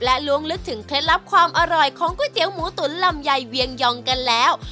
และล้วงลึกถึงเคล็ดลับความอร่อยของก๋วยเตี๋ยวหมูตุ๋นลำไยเวียงยองกันแล้ว